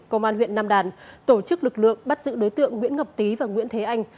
công an huyện nam đàn tổ chức lực lượng bắt giữ đối tượng nguyễn ngọc tý và nguyễn thế anh